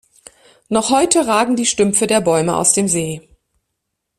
Noch heute ragen die Stümpfe der Bäume aus dem See.